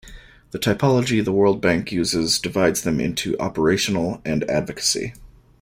The typology the World Bank uses divides them into Operational and Advocacy.